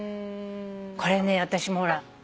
これね私もほら。